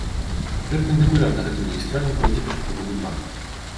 Перпендыкулярна гэтым магістралям пройдзе пешаходны бульвар.